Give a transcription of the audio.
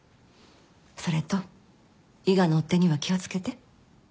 それと伊賀の追っ手には気を付けて。